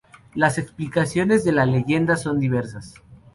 Las explicaciones de la leyenda son diversas.